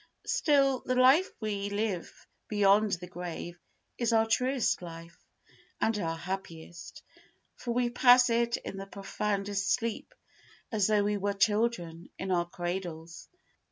Still, the life we live beyond the grave is our truest life, and our happiest, for we pass it in the profoundest sleep as though we were children in our cradles.